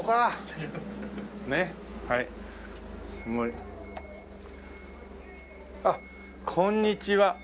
すごい。あっこんにちは。